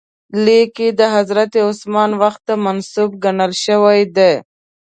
لیک یې د حضرت عثمان وخت ته منسوب ګڼل شوی دی.